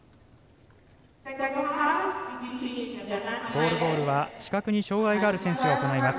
ゴールボールは視覚に障がいのある選手が行います。